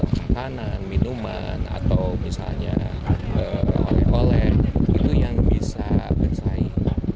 makanan minuman atau misalnya oleh oleh itu yang bisa bersaing